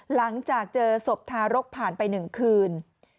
หลังจากเจอสบทารกผ่านไปหนึ่งคืน